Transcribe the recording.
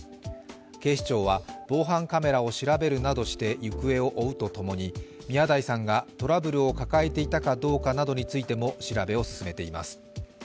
警視庁は防犯カメラを調べるなどして行方を追うと共に、宮台さんがトラブルを抱えていたかどうかなどについても調べを進めています。